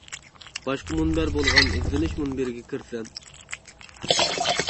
باشقا مۇنبەر بولغان ئىزدىنىش مۇنبىرىگە كىرسەم.